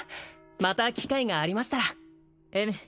また機会がありましたらうむ